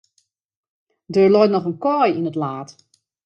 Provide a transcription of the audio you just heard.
Der leit noch in kaai yn it laad.